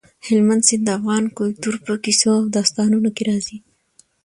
هلمند سیند د افغان کلتور په کیسو او داستانونو کې راځي.